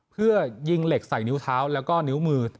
เพื่อยิงเหล็กใส่นิ้วเท้าแล้วก็นิ้วมือ